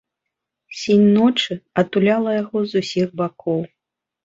Сінь ночы атуляла яго з усіх бакоў.